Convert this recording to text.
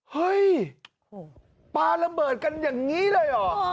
เฮ้ยปลาระเบิดกันอย่างนี้เลยเหรอ